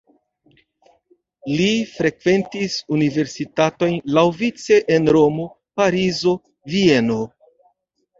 Li frekventis universitatojn laŭvice en Romo, Parizo, Vieno.